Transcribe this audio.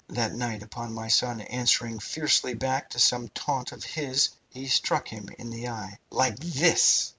That night upon my son answering fiercely back to some taunt of his, he struck him in the eye, like this!"